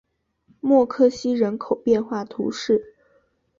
默克西人口变化图示